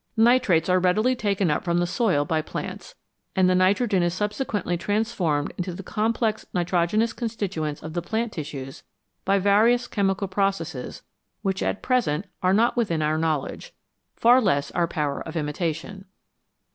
Nitrates are readily taken up from the soil by plants, and the nitrogen is subsequently transformed into the complex nitrogenous constituents of the plant tissues by various chemical processes which at present are not within our knowledge, far less our power of imitation.